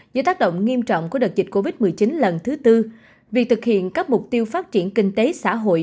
dưới tác động nghiêm trọng của đợt dịch covid một mươi chín lần thứ tư việc thực hiện các mục tiêu phát triển kinh tế xã hội